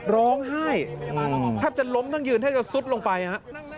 ร้องไห้แทบจะล้มทั้งยืนแทบจะซุดลงไปฮะ